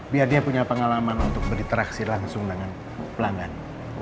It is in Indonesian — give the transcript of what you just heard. biar dia punya pengalaman untuk berinteraksi langsung dengan pelanggan